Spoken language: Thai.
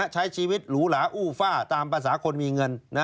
ใช้ชีวิตหรูหลาอู้ฟ่าตามภาษาคนมีเงิน